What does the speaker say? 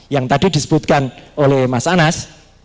yang tadi disebutkan oleh mas anas